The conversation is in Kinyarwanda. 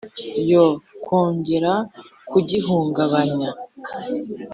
Yo kwongera kugihungabanya